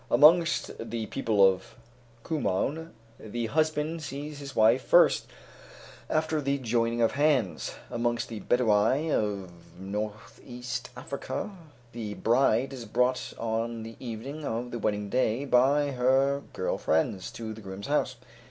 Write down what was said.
Amongst the people of Kumaun, the husband sees his wife first after the joining of hands. Amongst the Bedui of North East Africa, the bride is brought on the evening of the wedding day by her girl friends, to the groom's house.